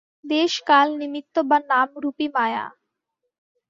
দেশ-কাল নিমিত্ত বা নাম-রূপই মায়া।